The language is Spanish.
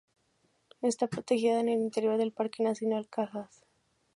Está protegida en el interior del Parque nacional Cajas.